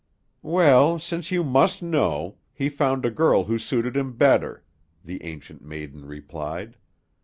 "Well, since you must know, he found a girl who suited him better," the Ancient Maiden replied.